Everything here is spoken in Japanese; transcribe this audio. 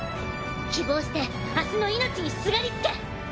希望して明日の命にすがりつけ！